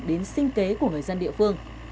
đến sinh kế của người dân địa phương